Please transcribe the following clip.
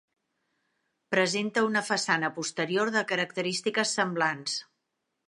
Presenta una façana posterior de característiques semblants.